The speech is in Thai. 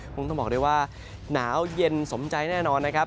คงต้องบอกได้ว่าหนาวเย็นสมใจแน่นอนนะครับ